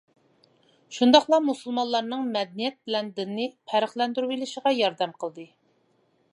شۇنداقلا مۇسۇلمانلارنىڭ مەدەنىيەت بىلەن دىننى پەرقلەندۈرۈۋېلىشىغا ياردەم قىلدى.